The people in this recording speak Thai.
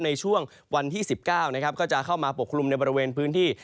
ในช่วงวันที่๑๙นะครับก็จะเข้ามาปกคลุมในบริเวณพื้นที่